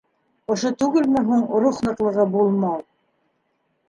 Ошо түгелме һуң рух ныҡлығы булмау?